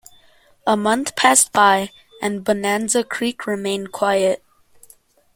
A month passed by, and Bonanza Creek remained quiet.